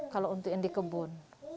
kalau untuk yang di kebun